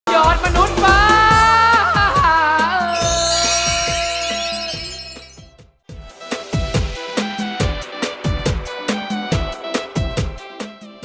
ยอดมนุษย์ป้า